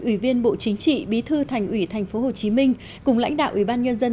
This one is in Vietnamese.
ủy viên bộ chính trị bí thư thành ủy thành phố hồ chí minh cùng lãnh đạo ủy ban nhân dân